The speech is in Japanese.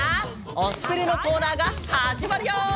「推しプレ！」のコーナーが始まるよ！